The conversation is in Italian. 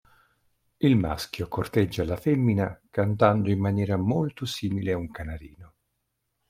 Il maschio corteggia la femmina cantando in maniera molto simile a un canarino.